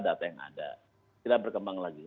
tidak ada apa yang ada tidak berkembang lagi